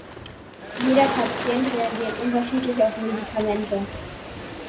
Jeder Patient reagiert unterschiedlich auf Medikamente.